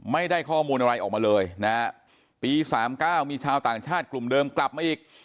ไม่ได้ข้อมูลอะไรออกมาเลยนะฮะปีสามเก้ามีชาวต่างชาติกลุ่มเดิมกลับมาอีก